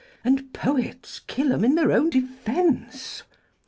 And Poets kill 'em in their own Defence.